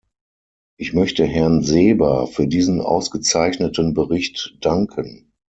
Ich möchte Herrn Seeber für diesen ausgezeichneten Bericht danken.